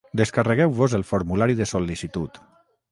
Descarregueu-vos el formulari de sol·licitud.